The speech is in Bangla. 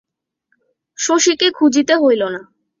শশীকে খুঁজিতে হইল না।